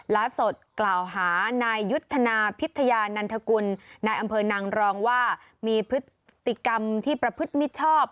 สดกล่าวหานายยุทธนาพิทยานันทกุลนายอำเภอนางรองว่ามีพฤติกรรมที่ประพฤติมิชชอบ